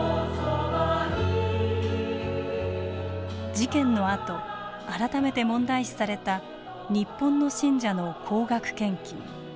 事件のあと改めて問題視された日本の信者の高額献金。